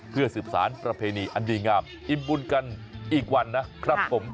เพื่อสืบสารประเพณีอันดีงามอิ่มบุญกันอีกวันนะครับผม